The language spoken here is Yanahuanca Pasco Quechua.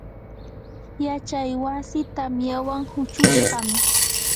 yachay wasii tamyawan huchushqam.